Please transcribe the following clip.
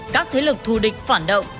các thế lực thù địch phản động